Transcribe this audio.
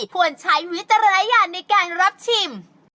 ควรใช้วิจารณญาณในการรับชิม